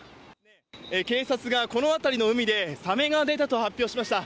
警察がこの辺りの海で、サメが出たと発表しました。